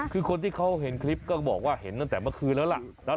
คือคนที่เขาเห็นคลิปก็บอกว่าเห็นตั้งแต่เมื่อคืนแล้วล่ะ